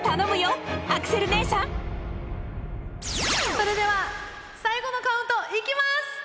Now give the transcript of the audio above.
それでは最後のカウントいきます！